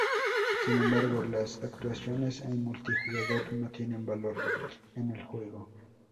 Sin embargo, las actuaciones en multijugador no tienen valor en el juego.